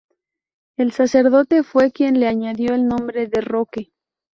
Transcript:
El sacerdote fue quien le añadió el nombre de Roque.